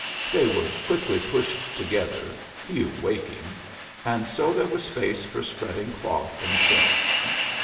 They were quickly pushed together, few waking, and so there was space for spreading cloth and chintz.